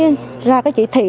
có cái ra cái chỉ thị